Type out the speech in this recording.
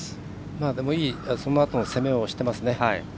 でも、いいそのあとの攻めをしてますね。